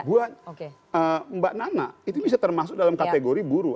buat mbak nana itu bisa termasuk dalam kategori buruh